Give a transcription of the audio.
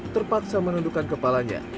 terpaksa menundukkan kepalanya